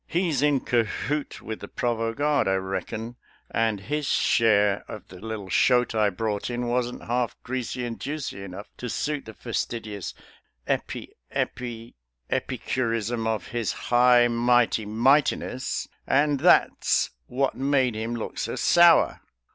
He's in cahoot with the provost guard, I reckon, and his share of the little shoat I brought in wasn't half greasy and juicy enough to suit the fastidious epi epi epicurism of his high mighty mightiness, and that's what made him look so sour